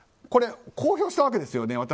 公表したわけですよね